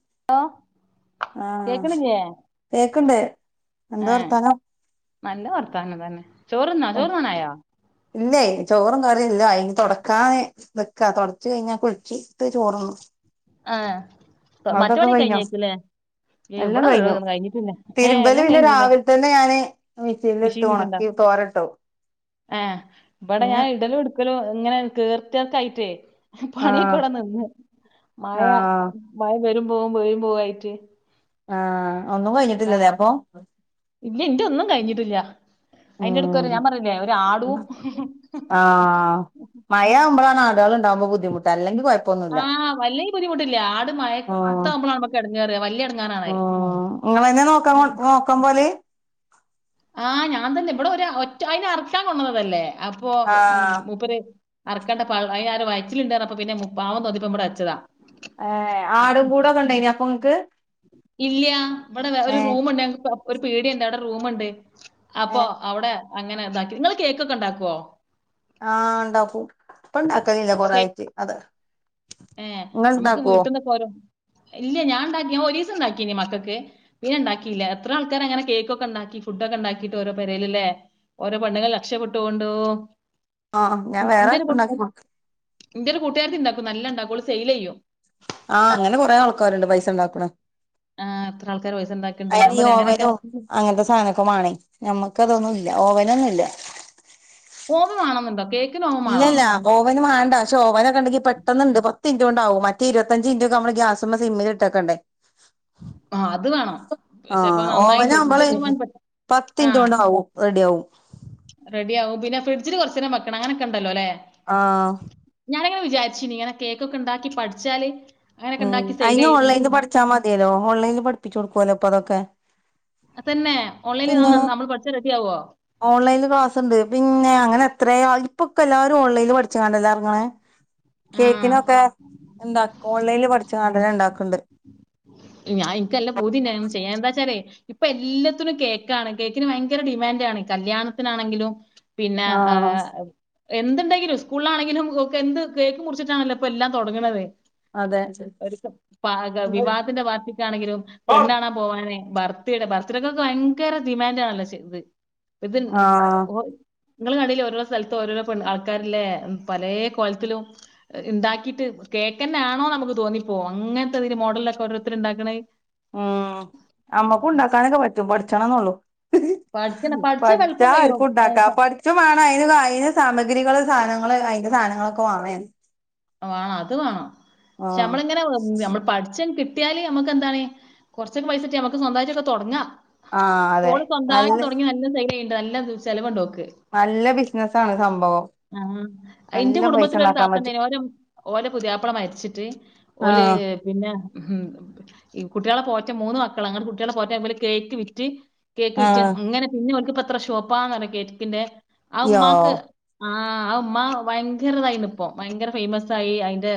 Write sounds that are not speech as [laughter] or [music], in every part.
[unintelligible] ആഹ കേക്കണില്ലേ കേക്കണ്ട് എന്താ ഏഹ് വർത്താനം? നല്ല വർത്താനം തന്നെ ചോറ്ന്നോ ചോറ്ന്നാനായോ ഇല്ലേ ചോറും ക ല്ല ഇനി തൊടക്കാന് നിക്ക തൊടച്ച് കഴിഞ്ഞാ കുൾച്ചിട്ട് ചോറുണ്ണു ആഹ മറ്റോന് കഴിഞ്ഞോ കഴിഞ്ഞേക്കുലേ എല്ലാം കഴിഞ്ഞു തിരുമ്പല് എല്ലാം പിന്നെ കഴിഞ്ഞില്ലേ രാവിലെ തന്നെ ഞാന് മിഷേൻലിട്ട് ഒണക്കി തോരട്ടോ ഏ ഇവടെ ഞാൻ ഇടലും ട്ക്കലു ഇങ്ങനെ കീർത്യർക്കായിറ്റേ പണിയൊക്കെ ആഹ് ഇവടെ നിന്ന് മഴ ആഹ് മഴ വരും പോ വരും പോവായിട്ട് ആഹ ഒന്നും കഴിഞ്ഞിട്ടില്ലല്ലേ അപ്പൊ ഇല്ല ഇന്റെ ഒന്നും കഴിഞ്ഞിട്ടില്ല ഉ അയിന്റെ ഇടക്ക് ഒരു ഞാൻ പറഞ്ഞില്ലേ ഒരു ആടും ആ മയാവുമ്പളാണ് ആള് [unintelligible] ണ്ടാവ്മ്പ ബുദ്ധിമുട്ട അല്ലങ്കി കോഴ ആ വല്ല്യബുദ്ധമുട്ടില്ല് ആട് മയേത്താവുമ്പൊളാണ് മ്മക്ക് എടങ്ങേറ് വല്ല്യെട ആ ങ്ങളെന്നെ നോക്കാ നോക്കാൻ പോല് ആ ഞാൻ തന്നെ ഇവിടെ ഒരു ഒറ്റ അയിന് അറക്കാൻ കൊണ്ടന്നതല്ലേ അപ്പൊ ആഹ് മൂപ്പര് അറക്കണ്ടപ്പ അയിനാരൊ വയറ്റിലുണ്ട് പറഞ്ഞപ്പോ പിന്നെ മൂ പാവം തോന്നീപ്പം മ്പടെച്ചതാ ഏ ആടും കൂടൊക്കെണ്ടേന്യ അപ്പൊ ങ്ങക്ക് ഇല്ല ഇവിടെ ഒരു റൂമുണ്ട്ങ്ങക്ക് ഒരു പിടിയഡ് അവിടെ റൂമുണ്ട് ഏ അപ്പൊ അവിടെ അങ്ങനെ താക്കി ഇങ്ങള് കേക്കൊക്കെണ്ടാക്കോ ആഹ ഉണ്ടാക്കൂ ഇപ്പ ഇണ്ടാക്കലില്ല സേ- കൊറായിട്ട് അത ഏ അമ്മക്ക് വീട്ടന്ന്പ്പൊരോന്ന് ഇല്ല്യ ഞാൻ ഉണ്ടാക്കി ഞ ഒരീസണ്ടാക്കീനി മക്കക്ക് പിന്നെ ഉണ്ടാക്കില്ല എത്ര ആൾക്കാരാങ്ങനെ കേക്കൊക്കെ ഉണ്ടാക്കി ഫുഡ്ക്കെ ഉണ്ടാക്കിട്ട് ഓരോ പെരേല് ല്ലേ ഓരോ പണ്ണുങ്ങൾ രക്ഷപ്പെട്ടൊണ്ട് ആഹ ഞാൻ വേറെ ഉണ്ടാക്കിക്കൊടു ഇന്റെ ഒരു കൂട്ടുകാർ ഉണ്ടാക്കും നല്ല ഉണ്ടാക്കൂ ഓൾ സെൽ ചെയ്യും ആഹ് അങ്ങനെ കൊറെേ ആൾക്കാരുണ്ട് പൈസ ഉണ്ടാക്കണം ആ അത്ര ആൾക്കാ അത് യോവനും അങ്ങനത്തെ സാധനൊക്കെ മാണേ ഞമ്മക്ക അതൊന്നുംല്ല. ഓവനൊന്നുംല്ല ഓമം വേണമെന്നുണ്ടോ കേക്കിന് ഓമം വേണോ ഇല്ലല്ല ഓവന് വേണ്ട പക്ഷെ ഓവനൊക്കെ ഉണ്ടെങ്കി പെട്ടെന്നുണ്ട് ത്ത് മിന്റോണ്ടൊക്കെ ആവും മറ്റ ഇരുപത്തഞ്ചിന്റക്കെ നമ്മള് ഗ്യാസുമ്പ സിമ്മിൽ ഇട്ടക്കണ്ടേ ആഹ് അത് വേണം പക്ഷെപ്പോ നന്നായി ചെയ്ും ഇതൊക്കെൻ പ [unintelligible] പത്തിന്റ് കൊണ്ട ആവും റെഡി ആവും റെഡിയ ആകും പിന്നെ ഫ്രഡ്ജിൽ കുറച്ചേരം വെക്കണം അങ്ങനൊക്കെണ്ടല്ലോല്ലെ ആഹ ഞാാനിങ്ങനെ വിചാരിച്ചിനീ ഇങ്ങനെ കേക്കൊക്കെ ഉണ്ടാക്കി പഠിച്ചാല് അങ്ങനെയൊക്കെ ഉം ഉണ്ടാക്കി സെയിൽ അയിന് ചെയ്ത് ഓൺലൈനിൽ പഠിച്ചാൽ മതിയല്ലോ ഓൺലൈനിൽ പഠിപ്പിച്ചു കൊടുക്കുവല്ലോപ്പ അതൊക്കെ തന്നെ ഓൺലൈനിൽ പിന്നെ നമ്മൾ പഠിച്ചാൽ റെഡി ആവോ ഓൺലൈനിൽ ക്ലാസ്സണ്ട് പിന്നെ അങ്ങനെ എത്ര ഇപ്പൊക്കെ എല്ലാരും ഓൺലൈനിൽ പഠിച്ചണ്ടല്ലെ എറങ്ങണെ ആ കേക്കിനൊക്കെ എന്താക്കും പഠിച്ചങ്ങണ്ടഞ്ഞേ ഉണ്ടാക്കണ്ട് ഞാൻ ഇനിക്കല്ലാം പൂതിണ്ടാ യനെ ചെയ്യാൻ എന്താ വച്ചാലേ ഇപ്പൊ എല്ലാത്തിനും കേക്കാണ് കേക്കിന് ഭയങ്കര ഡിമാൻഡ് ആണ് കല്യാണത്തിനാണെങ്കിലും പിന്നെ ആ ആഹ് [unintelligible] എന്തുണ്ടെങ്കിലും സ്കൂളിലാണെങ്കിലും ഒ എന്ത് കേക്ക് മുറിച്ചിട്ടാണല്ലോപ്പൊ എല്ലാം തുടങ്ങണത് അതെ ഒ വിവാഹത്തിന്റെ വാർത്തയ്ക്കാണെങ്കിലും പെണ്ണാണാ പോവാനെ ഭർത്തിടെ ഭർത്തടക്കൊക്കെ ഭയങ്കര ഡിമാൻഡ് ആണല്ലോ ഇത് ആഹ് ഇത്ഓ നിങ്ങളുടെ കടൽ ഓരോരോ സ്ഥലത്തും ഓരോരോ ആൾക്കാരില്ലേ പലേ കോലത്തിലും ണ്ടാക്കിട്ട് കേൾക്ക തന്നെ ആണോ നമുക്ക് തോന്നിപ്പോോ അങ്ങനത്തെ ഇതിന് മോഡലൊക്കെഓരോ ത്തരുണ്ടാക്കണേ ഉം അമ്മക്കും ഉണ്ടാക്കാനൊക്കെ പറ്റും പഠിച്ചണംന്നള്ളു പഠിക്കണം. പഠിച്ചാ എളുപ്പം ആർക്ക് കഴിയും. അത് ഉണ്ടാക്കാ സ പഠിച്ചു വേണം അതിന് അന് സാമഗ്രികൾ സാധങ്ങളെല്ലാ അയിന്റെ സധങ്ങളൊക്കെ വാണെനു വേണം അത് വേണം പക്ഷെ നമ്മളിങ്ങനെ നമ്മൾ പഠിച്ചം കി കട്ടിയാല് നമുക്ക് എന്താണ് കുറച്ചൊെ പൈസിട്ട നമക്ക് സ്വന്തമായിച്ചൊക്കെ തുടങ്ങാം ആഹ് അതെ പോള് നല്ല സ്വന്തമായിട്ട് തുടങ്ങി നല്ല സൈല ഉണ്ട് നല്ല ചലവുണ്ടോക്ക് നല്ല ബിസിനസ്സ ആണ് ആ അയിന്റെ പൈസ കുടുംബത്തില ഒരു ഉണ്ടാക്കാൻ പറ്റും താത്തന്ന ഓര ഓല പുതിയപ്പള മരിച്ചിട്ട് ഓല ആഹ് പിന്നെ [unintelligible] കുട്ടികളെ പോറ്റ മൂന്ന് മക്കൾ അങ്ങ കുട്ടികളെ പോറ്റാ കേക്ക് വിറ്റ് കേക്ക് വിറ്റ് ആഹ് അങ്ങനെ പിന്നെ എത്ര ഷോപ്പാന്ന കേറ്റിക്കിന്റെ ആ യോ ഉമ്മാക്ക് ആഹ് ഉ്മ്മ ഭയങ്കരതായിരുന്നു ഇപ്പൊ ഭയങ്കര ഫേമസ ആയി അതിന്റെ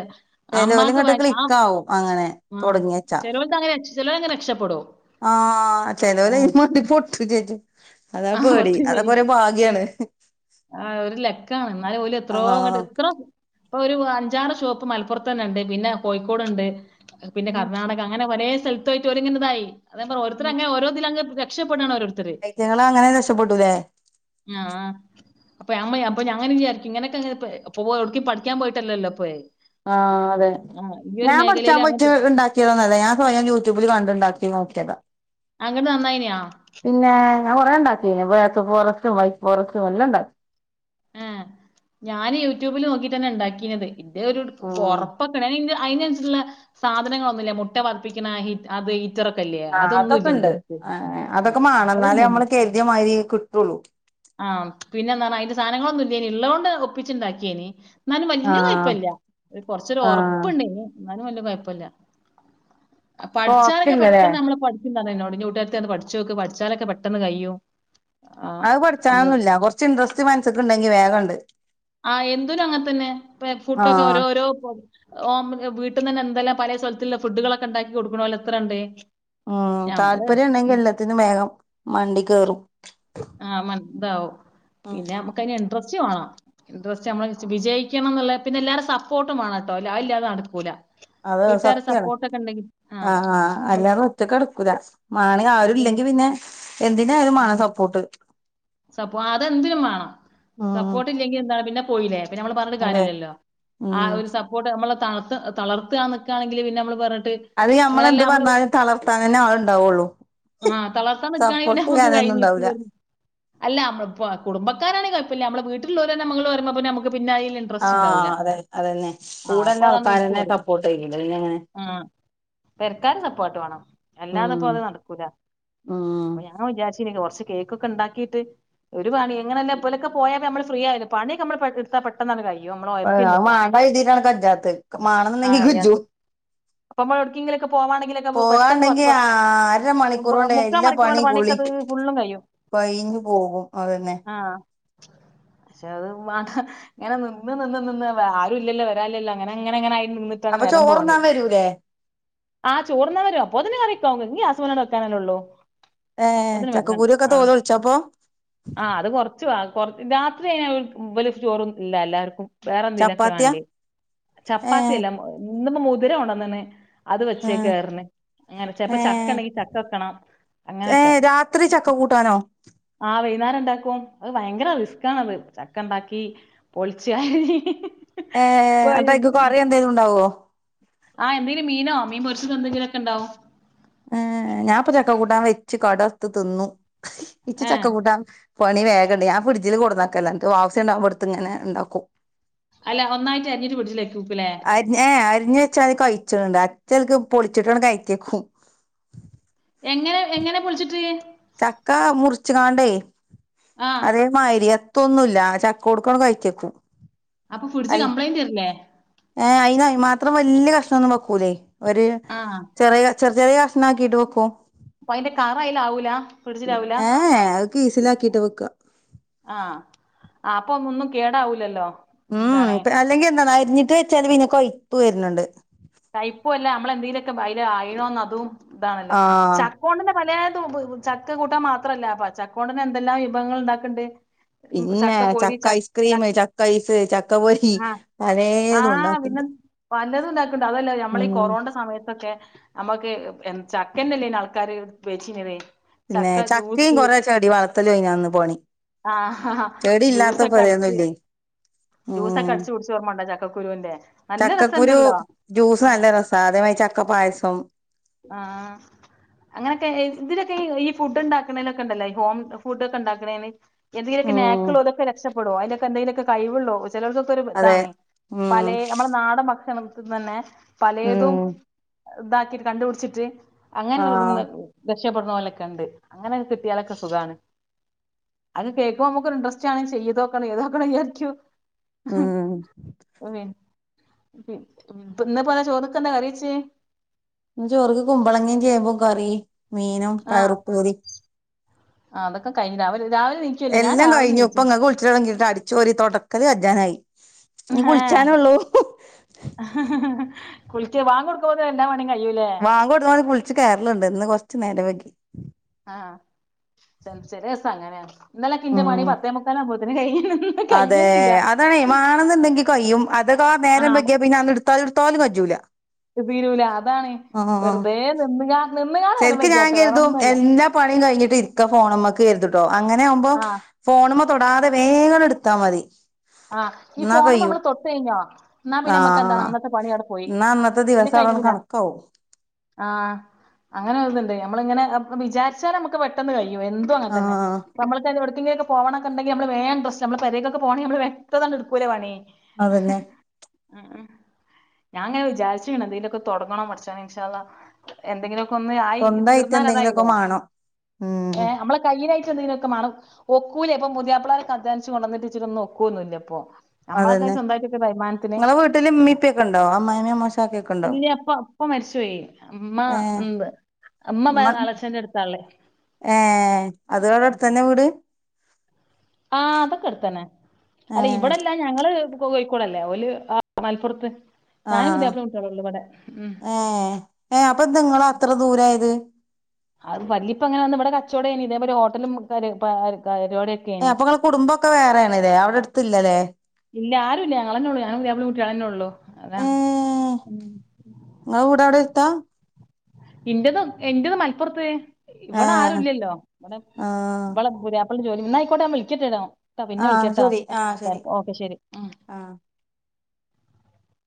ചെലോല് അമ്മാക്ക് ഇങ്ങട്ട് ആ ക്ലിക്കാവും അങ്ങനെ ആ തൊടങ്ങിയച്ചാ ചിലോൾക്ക് അങ്ങനെ ര ചിലര അങ്ങനെ രക്ഷപ്പെടും ആഹ ആ ചേിലര് അതിന്മേ പൊട്ടു ചേച്ചു അതാണ് ആ പേടി അതൊക്കെ ഒറെേ ഭാഗ്യാണ് ആഹ് ഒരു ലക്കാണ് എന്നാലും പോല എത്രോ ക ആഹ് എത്ര ഇപ്പൊ ഒരു അഞ്ചാറ് ഷോപ്പ് മലപ്പുറത്ത തന്നെ ഉണ്ട് പിന്നെ കോഴിക്കോട്ണ്ട് പിന്നെ ഉം കർണാടക അങ്ങെനെ ഒരേ സ്ഥലത്തത്ത് ആട്ട് ഒരുങ്ങനതായി അ പറ ഓരുത്ത അങ്ങ ഓോതിലങ് രക്ഷപ്പെടണോരുണ്ട് ഐറ്റങ്ങളങ്ങനെ രക്ഷപ്പെട്ടൂലേ ആ അപ്പൊ അമ്മ അപ്പൊ ഞങ്ങനെ വിചാരിക്ക ഇനൊക്കെപ്പോ എടക്കും പഠിക്കാൻ പോയിട്ടല്ലോ അപ്പേ ആഹ് അതെ ഞാൻ പഠിച്ചാൻ മേഖലയിൽ പോയി്ട്ട് അങ്ങട്ട് ഉണ്ടാക്കിയതന്നല്ല ഞാൻ സ്വയം യൂട്യൂബില് കണ്ടണ്ടാക്കി നോക്കിയതാ അങ്ങട്ട് നന്നായിനി ആ. പിന്നെ ഞാൻ കൊറെേ ഉണ്ടാക്കി ബ്ലാക് ഫോറെസ്റ്റും വൈറ്റ് ഫോറെസ്റ്റും എല്ലാം ണ്ടാക്കും ആ ഞാന് യൂട്യൂബിൽ നോക്കിട്ടന്നെ ഉണ്ടാക്കീ ഇന്റെ ഒരു ആഹ് പറപ്പൊക്ക അതിന അനുസരിട്ടുള്ള സാധനങ്ങളൊന്നുമില്ല മുട്ട പദപ്പിക്കുന്ന അത് ഹീറ്ററൊക്കെ ഇല്ലേ ആ അതൊന്നും അതൊക്കെ ഇല്ല ഇന്റെ ഉണ്ട് അടുത്ത്. ആ അതൊക്കെ അതൊന്നും മാണന്നാലേ നമ്മള് കരുതിയ മാതിരി കിട്ടുള്ളു ആഹ് പിന്നെന്താ അന്റെ സാധനങ്ങളൊന്നും ഇല്ലേ ഉള്ളത്ണ്ട് ഒപ്പിച്ചു ഉണ്ടാക്കിയേനി എന്നും വലിയ ആഹ് കുഴപ്പല്ല കൊറച്ചൂരു ആഹ് ഉറപ്പുണ്ട്ന് എന്നാലും വലിയ കുഴപ്പില്ല പഠിച്ചാലൊക്കെ സോഫ്റ്റ്ല്ലല്ലേ പെട്ടെന്ന് നമ്മ കൂട്ടാത്തിന്ന് പഠിച്ചു നോക്ക് പഠിച്ചാലൊക്കെ പെട്ടെന്ന് കയ്യോ ആ ന്നല്ല കുറച് ഇൻ്രസ്റ്റ് മനസ്സൊക്ക ഉണ്ടെങ്കി വേഗ ഉണ്ട് ആഹ എന്തൊരും അങ്ങനെ തന്നെ ഫുഡൊക്കെ ആഹ് ഓരോഓരോ ഓ വീട്ടന്ന്ന്നെ എന്തെല്ലാം പല സ്ഥലുള്ള ഫുഡുകളൊക്കെ ഉണ്ടാക്കി കൊടുക്കണ അല്ലോ എത്ര ഉണ്ട് ഉം താല്പര്യം ഉണ്ടെങ്കിൽ എല്ലാത്തിനും വേഗം മണ്ടി കയറും ആ മതാവും പിന്നെ നമുക്ക്തിന് ഇൻട്രസ്റ്റ് ഇ്രസ്റ്റ്മ്മ വിജയിക്കണം എന്നുള്ളത് പിന്നെ എല്ലാരും സപ്പോർട്ടും വേണം കേട്ടോ അല്ല അല്ലാതും നടക്കൂല അത് വീട്ടുകരു സത്യാണ് സപ്പോർട്ട്ക്കെ ഉണ്ടെങ്കിൽ ആഹ് ആ് അല്ലാതെ ഒറ്റക്കെടടുക്കൂല മാണി ആരുും മറ്റേത് ഇല്ലെങ്കി പിന്നെ എന് എന്താലമാണ് ആഹ് സപ്പോർട്ട് സപ്പോ അതെന്തിനും വേണം ഉം സപ്പോർട്ട് ഇല്ലെങ്കിൽ എന്താണ് പിന്നെ പോയില്ലേ പിന്നെ നമ്മള് പറഞ്ഞിട്ട് അതെ കാര്യമല്ലല്ലോ ആ ഉം ഒരു സപ്പോർട്ട് നമ്മള് തളർ തളർത്തുക നിക്കയാണെങ്കിൽന്നെ നമ്മള് പറ അത് ഞമ്മളെന്ത് പറഞ്ഞാലും തളർത്താൻ തന്നെ ആൾുണ്ടാവുള്ളൂ ആഹ് തലർത്താൻ നക്കുകയാണെങ്കിൽ ഇന്നെ നമ്മുക്ക് കൈ ഉണ്ടാവൂല നീട്ട അല്ലമ്മ കുടുംക്കാരാണ് കുഴപ്പില്ല നമ്മുടെ വീട്ടിൽുള്ള നമ്മൾ വ നമുക്ക് പിന്നായിൽ ഇൻട്രസ്റ്റ് ഉണ്ടാവില്ല ആഹ് അതെ അതന്നെ ആ അപ്പൊ കൂടെള്ള അതാന്ന് ആൾക്കാരെന്നെ നത് സപ്പോർട്ട് ചെയ്യൂല പിന്നെങ്ങനെ പെരക്കാരും സപ്പോർട്ട് വേണം ഉം അല്ലാതെപ്പോ അത് നടക്കൂല ഉം ഞാൻ വിചാരിച്ചി കുറച്ച ക്ക കന്തണ്ട ഒരു പണി എങ്ങനെല്ല ഇപ്പോലൊക്കെ പോയാ നമ്മള് ഫ്രീ ആയല്ല പണിമ്മ എടുാ പെട്ടെന്നാണ് കാര്യം മാണ്ട എഴുതിട്ടാണ് കഞ്ചാത്ത് ആഹ് മാണന്നുണ്ടെങ്കി കിജു കഴിയാത്തത് അപ്പൊ നമ്മൾ എടക്കെങ്കിലൊക്കെ പോവാണെങ്കിലൊക്കെ പെട്ടെന്ന് പോകാണ്ടെങ്കി പത്ത് അര മണിക്കൂർ കൊണ്ട് മുക്കാ മണിക്കൂറിണ്ട് പണ ത് ഉും കഴിയും പൈഞ്ഞു പോകും അതന്നെ ആഹ് പക്ഷെ അത് വ ങ്ങനെ നിന്ന് നിന്ന് നിന്ന് വ ആരുംല്ലല്ലോ വരാല്ലല്ലോ അങ്ങനെങ്ങനെങ്ങനായ് നിന്ന്ട്ടാണ് അപ്പൊ നേരം പോണെ ചോറ്ന്നാൻ വരൂലേ ആ ചോർന്നാവരും അപ്പോത്ത്ന് കറ്യാെക്കാവും ഗ്യാ സ്മ്മലാണ്ട് വെക്കാനെല്ലെള്ളൂ ഏ ചക്കക്കുരാെക്കെ തോലാെൽച്ചാെ അപ്പം ആ അത് കൊർച്ച് വാ കൊർ രാത്രി ആയ്ന ബല് ചോർന്നുംല്ല എല്ലാര്ക്കും വേറെന്തേലാെക്കെ ചപ്പാത്തിയാ വാണ്ട്യെ ഏ ചപ്പാത്തിയല്ല ഇന്ന്പ്പം മുത് ര കൊണ്ടന്ന്ണ് അത് ആ വച്ചേക്ക്റ്ന്ന് ഏ അങ്ങനെ ചെൽപ്പ ചക്കണ്ടെങ്കി ചക്ക വെക്കണം ഏ അങ്ങനൊക്കെ രാത്രി ചക്ക കൂട്ടാനോ ആ വൈന്നേരണ്ടാക്കും അത് ഭയങ്കര റിസ്ക്കാണത് ചക്കണ്ടാക്കി പൊളിച്ച് അരി ഏ അപ്പയ്ക്ക് കറി എന്തേലുണ്ടാവോ ആ എന്തെങ്കിലും മീനോ മീൻ പൊര്ച്ച്തെന്തെങ്കിലൊക്കെണ്ടാവും ഏ ഞാൻപ്പൊ ചക്ക കൂട്ടാൻ വെച്ച് കടർത്ത് തിന്നു ഇച്ച് ഏ ചക്ക കൂട്ടാൻ പണി വേഗണ്ട് ഞാ ഫ്രിഡ്ജ്ല് കൊട്ന്നക്കലാ ൻക്ക് ആവ്സ്യണ്ടാവ്മ്പ ട്ത്ത്ങ്ങനെണ്ടാക്കും അല്ല ഒന്നായിട്ട് അരിഞ്ഞിട്ട് ഫ്രിഡ്ജിലെക്കൂക്കുലേ അര് ഏ അര്ഞ്ഞെച്ചാ അത് കയ് ച്ച്ണ്ട് അച്ചേക്ക് പൊൾച്ചിട്ടാണ്ട് കയറ്റ്യെക്കും എങ്ങനെ എങ്ങനെ പൊളിച്ചിട്ട് ചക്ക മുർച്ച്കാണ്ടേ ആ അതേ മായ്രി തൊന്നുമല് ചക്കാേട്ക്കാണ്ട് കയ്റ്റ്യെക്കും അപ്പൊ ഫ്രിഡ്ജ് അൽ കംപ്ലൈന്റ് വരില്ലേ ഏ അയ്നയ്മാ ത്രം വല്യ കഷ്ണാെന്നും വെക്കൂലെ ഒര് ആ ചെറിയ ചെറ്യ ചെറ്യ കഷ്ണാക്കീട്ട് വെക്കും അപ്പയ്ന്റെ കറ അയിലാവൂല ഫ്രിഡ്ജിലാവൂല ഏഹ് അത് കീസിലാക്കിട്ട് വെക്ക ആ അപ്പൊ ഒന്നും കേടാവൂലല്ലോ ഊ എന്താണ് ഉം അല്ലെങ്കി എന്താന്നോ അര്ഞ്ഞിട്ട് വെച്ചാല് പിന്നെ കയ്പ്പ് വര്ണ് ണ്ട് അയ്ൽ നയിണോന്ന് അതും താണല്ലോ ആഹ് ചക്കോണ്ടെന്നെ പലേത് ബ് ബ് ചക്ക കൂട്ടാൻ മാത്രല്ല പ്പ ചക്കാെണ്ടെന്നെ എന്തെല്ലാം വിഭവങ്ങൾണ്ടാക്ക്ണ്ട് പിന്നേ ചക്ക ഐസ്ക്രീം ചക്ക ഐസ് ചക്ക പൊരി ആഹ് ആഹ് പിന്നെ പലേതുംണ്ടാക്ക്ണ്ട് പലതും ണ്ടാക്ക്ണ്ട് അതല്ലോ ഞമ്മളീ കൊറോൺന്റെ സമയത്തൊക്കെ നമ്മക്ക് എ ചക്കന്നെല്ലേ ആൾക്കാര് പൊര്ച്ചീന്നത് പിന്നെ ചക്കിംകൊറേ ചെടി വളർത്തലു ഏനി അന്ന് പണി ആഹ ഹാ ചെടി ഇല്ലാത്ത ജ്യൂസൊക്കെ അട്ച്ച് പെരയൊന്നുല്ലേ ജ്യൂസൊക്കെ ഉം അട്ച്ച് കുട്ച്ചെ ഓർമ്മണ്ടോ ചക്കക്കുരൂന്റെ നല്ല ചക്കക്കുരു രസംണ്ടല്ലോ ജ്യൂസ് നല്ല രസാ അതേമായ് ചക്കപ്പായസം ആ അങ്ങനൊക്കെ ഇതിലൊക്കെ യു ഈ ഫുഡ്ണ്ടാക്ക്ണേലൊക്കെണ്ടല്ലോ ഹോം ഫുഡാെക്കെണ്ടാക്ക്ണേന് എന്തേലൊക്കെ നാക്ക്ള്ളതൊക്കെ രക്ഷ പ്പെടും അയ്ലൊക്കെ എന്തേലൊക്കെ കഴിവ്ള്ള ചെലാേൽതൊക്കെരു അതെ താണ് ഉം പലേ ഞമ്മളെ നാടൻ ഭക്ഷണം ഉം പലേതും താക്കിട്ട് കണ്ടു പുട്ച്ചിട്ട് അങ്ങനെ ആഹ് തൊട്ങ്ങുന്ന [unintelligible] ക്ഷപ്പെട്ന്നോലൊക്കെണ്ട് അങ്ങൻക്ക്ട്ടിയാലൊക്കെ സുഖാണ് അത് കേക്ക്മ്പോ മ്ക്കാെര് ഇൻട്രസ്റ്റാണ് ചെയ്തോക്കണം ഏതാക്കണം യാര്ക്ക്യാേ ഉം പി ഇപ്പന്ന് പ്പതാ ചോർക്കെന്താ കറ്യെച്ചേ ന്ന് ചോറ്ക്ക് കുമ്പളങ്ങിം ചേമ്പും കറി മീനും പയറുപ്പേരി ആ അതൊക്കെ കയ്ഞ്ഞ് രാവ് ലെ എല്ലാം കയ്ഞ്ഞു ഇപ്പം ങ്ങക്ക് വിൾച്ചാെലടങ്ങിയിട്ട് അടിച്ചാേരി തൊടക്കല് കജ്ജാനായി ഉം ആ ഇനി കുളിച്ചാനൊള്ളൂ ഹ ഹ ഹാ കുളിക്ക ബാങ്ങാെട്ക്കുമ്പോത്ത്ന് എല്ലാ പ വാങ്ങാെട്മ്പോത്ത്ന് കുളിച്ച് കേറല്ണ്ട് ഇന്ന് കൊർച്ച് നേരം വെ ആഹ് ഇന്നലെക്കെ ൻ്റെ പണി പത്തേമുക്കാലാവുമ്പോത്തിന് കയ് അതേ അതാണ് മാണെന്ന്ണ്ടെങ്കി കയ്യും അതവാ നേരം ആഹ് വെക്യാ പിന്നെ ആണ്ട് ഇട്ത്താലും ഇട്ത്താലും കജ്ജൂല തീരൂല അതാണ് വെർതെ നിന്ന്കാ നിന്ന്കാണ്ട് നേരം ശെര്ക്ക് ഞാൻ വൈകിയാട്ടോ കര്തും വേറൊന്നുല്ല എല്ലാ പണിം കയ്ഞ്ഞ് ട്ട്‌ര്ക്ക ഫോണ് മ്മക്ക് കര്തുട്ടോ അങ്ങനെ ആവുമ്പോ ആഹ് ഫോണ് മ്മ തൊടാതെ വേഗാണ്ട് ഇട്ത്താ മതി ആഹ് ഈ എന്നാ ഫോണ്മേ നമ്മ കഴിയും തൊട്ടു കഴിഞ്ഞോ എന്നാ പിന്നെ നമ്മക്ക് എന്താണ് ആഹ് അന്നത്തെ പണി അവിടെ പോയി എന്നാ അന്നത്തെ [unintelligible] [unintelligible] കണക്കാവും ആ അങ്ങനെ ഒത്ണ്ട് നമ്മള ഇങ്ങനെ വിചാരിച്ചാല് നമ്മുക്ക് പെട്ടെന്ന് കയ് യും എന്തും അങ്ങന തന്നെ ആഹ് നമ്മ എവിടുങ്കിലക്ക പോകണൊണ്ടെങ്ക നമ്മള് വേ പ്രശ് നമ്മ പരേക്ക പോണങ്ക നമ്മ എടുത്ത് എടുക്കൂലെ പണി അതന്നെ ഉം ഞാൻ അങ്ങനെ വിചാരിച്ചു ഇങ്ങനെ എന്തെങ്കിലൊക്കെ തുടങ്ങണം പടച്ചോനെ ഇൻശാ അല്ലാ എന്തെങ്കിലും കൊന്ന് ആയി സ്വന്തായിട്ട് എന്തെങ്കിലുമൊക്കെ തീർന്നാലതായില്ലേ മാണം ഉം ഏ നമ്മള കയിലായിട്ട് എന്തെതിനൊക്കെ മാണം ഒക്കൂലെ ഇപ്പം പുതിയ പളാരക്ക അധ്വാനിച്ച് കൊണ്ടന്നച്ട്ട് ഒന്നും ഒക്കൊന്നൂല്ല പ്പോ അമ്മാക്കാ അതന്നെ സ്വന്തമായിട്ടൊക്കെ തരുമാനത്തിന് നിങ്ങളെ വീട്ടില് ഇമ്മീം ഇപ്പീം ഒക്കെ ഉണ്ടോ അമ്മായിമ്മേം അമ്മോശാക്കയും ഒക്കെ ഉണ്ടോ ഇല്ല അപ്പ പ അമ്മ മരിച്ചുപയി അമ്മ ഏഹ് എ അമ്മ വേ അളച്ചന്റെ അടുത്താള്ളേ ഏ അത് അടെ അടുത്തന്നെ വീട് ആ അതൊക്കെ എടുത്തന്നെ അല്ല ഏഹ് ഇവിടെല്ല ഞങ്ങള് പോ കോയിക്കോടല്ലേ ഓല് മലപ്പുറത്ത് ആ ഞാനും പുതിയാപ്പളീം കുട്ടിയോളൊള്ളു ഇവിടെ ഉം ഏ ഏ അപ്പൊ എന്താ നിങ്ങള് അത്ര ദൂരായത് അത് വല്യപ്പ അങ്ങനെ വന്ന് ഇവിടെ കച്ചവടംനി ഇതേപലെ ഹോട്ടലും [unintelligible] ഏ അപ്പൊ നിങ്ങ കുടുംബൊക്കെ വേറെയാണ് അല്ലേ അവിടെ അടുത്ത്ല്ലല്ലേ ഇല്ല ആരുംല്ല ഞങ്ങളന്നേ ഉള്ളൂ ഞാനും പുതിയാപ്പളേ കുട്ടിയളന്നേ ഉള്ളൂ അതാണ് ഏഹ് ത്ത എൻ്റെത് എൻ്റെ മലപ്പുറത്തേ. ഏ ഇവിടെ ആരു ഇല്ലല്ലോ ആ ഇവിടെ ഇവിളൂരിപ്പ ജോലി മായിക്കോട്ടെ ഞൻ വിളിക്കണ്ട് ഡാ ആ പിന്നെ വിളിക്കട്ടാ ശരി ആ ശരി ഓക്കെ ശെരി ഉം ആ